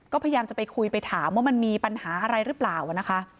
ก็พยายามจะไปคุยไปถามว่ามันมีปัญหาอะไรหรือเปล่านะคะ